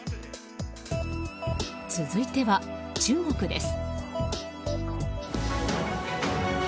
続いては、中国です。